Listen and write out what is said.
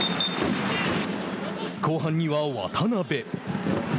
後半には渡邉。